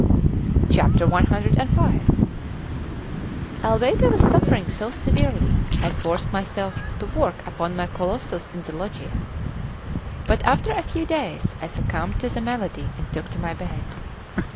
CV ALBEIT I was suffering so severely, I forced myself to work upon my Colossus in the Loggia; but after a few days I succumbed to the malady and took to my bed.